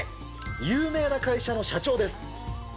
有名な会社の社長です。